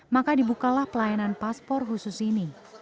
maka dibukalah pelayanan paspor khusus ini